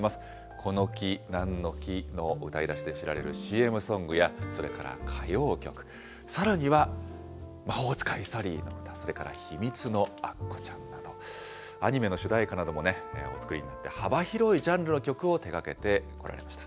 この木なんの木の歌いだしで知られるＣＭソングや、それから歌謡曲、さらには魔法使いサリーのうた、それから、ひみつのアッコちゃんなど、アニメの主題歌などもお作りになって、幅広いジャンルの曲を手がけてこられました。